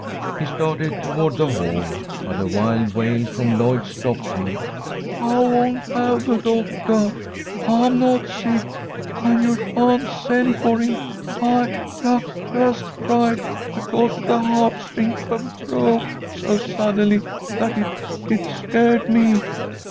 He started toward the hall, but a wild wail from Lloyd stopped him. "I won't have the doctah! I'm not sick, and you sha'n't send for him! I j just cried because the harp string b broke so suddenly that it s scared me!"